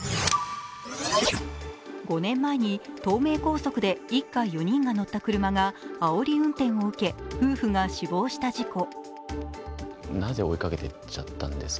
５年前に東名高速で家族４人が乗った車があおり運転を受け、夫婦が死亡した事故。